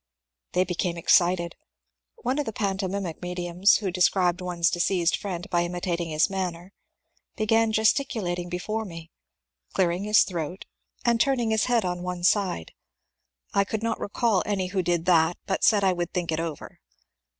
They became excited. One of the pantomimic mediums (who described one^s deceased friend by imitating his manner) began gesticulating before me, clearing his throat, and turning his 344 MONCURE DANIEL CONWAY head on one side. I could not recall any wlio did that, bat said I would think it over.